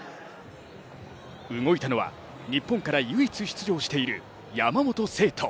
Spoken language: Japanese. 動いたのは、日本から唯一出場している山本聖途。